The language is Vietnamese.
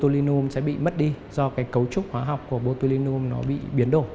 thường loại chế biến của clostridium botulinum sẽ bị mất đi do cái cấu trúc hóa học của botulinum nó bị biến đổi